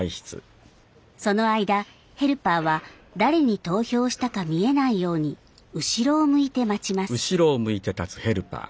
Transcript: その間ヘルパーは誰に投票したか見えないように後ろを向いて待ちます。